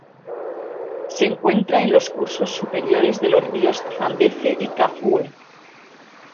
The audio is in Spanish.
Se encuentra en los cursos superiores de los ríos Zambeze y Kafue.